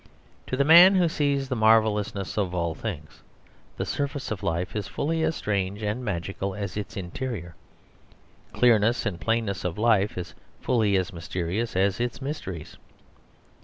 To the man who sees the marvellousness of all things, the surface of life is fully as strange and magical as its interior; clearness and plainness of life is fully as mysterious as its mysteries.